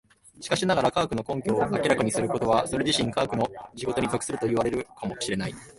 しかしながら、科学の根拠を明らかにすることはそれ自身科学の仕事に属するといわれるかも知れない。